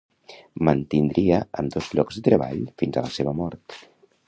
Mantindria ambdós llocs de treball fins a la seva mort.